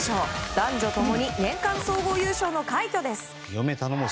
男女ともに年間総合優勝の快挙です。